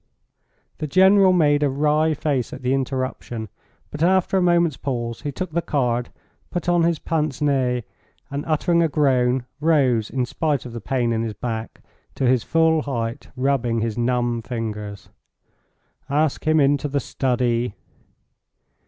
The General made a wry face at the interruption, but after a moment's pause he took the card, put on his pince nez, and, uttering a groan, rose, in spite of the pain in his back, to his full height, rubbing his numb fingers. "Ask him into the study."